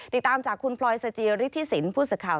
ติดตามจากคุณพลอยสจิริษศิลปภูมิสุข่าว